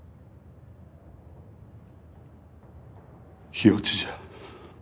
火落ちじゃ。